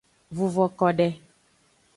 Vuvo kode.